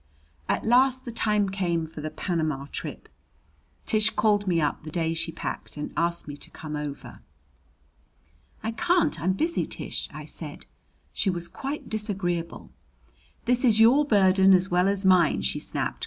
At last the time came for the Panama trip. Tish called me up the day she packed and asked me to come over. "I can't. I'm busy, Tish," I said. She was quite disagreeable. "This is your burden as well as mine," she snapped.